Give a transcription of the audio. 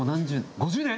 ５０年！？